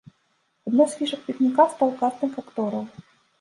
Адной з фішак пікніка стаў кастынг актораў.